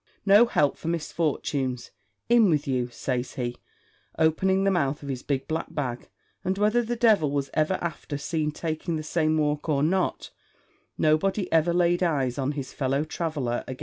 No help for misfortunes; in with you," says he, opening the mouth of his big black bag; and whether the devil was ever after seen taking the same walk or not, nobody ever laid eyes on his fellow traveller again.